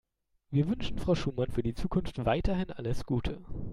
Wir wünschen Frau Schumann für die Zukunft weiterhin alles Gute.